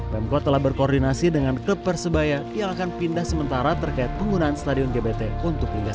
pemkot telah berkoordinasi dengan klub persebaya yang akan pindah sementara terkait penggunaan stadion gbt untuk liga satu